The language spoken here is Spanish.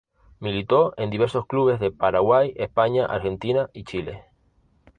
Militó en diversos clubes de Paraguay, España, Argentina y Chile.